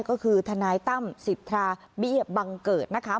ก็คือทนายตั้มสิทธาเบี้ยบังเกิดนะคะ